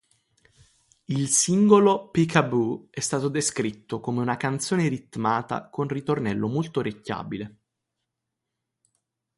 Il singolo "Peek-a-Boo" è stato descritto come una canzone ritmata con ritornello molto orecchiabile.